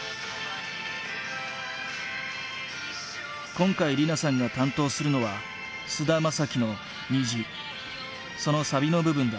今回莉菜さんが担当するのは菅田将暉の「虹」そのサビの部分だ。